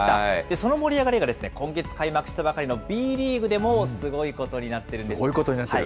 その盛り上がりが、今月開幕したばかりのＢリーグでもすごいことすごいことになってる。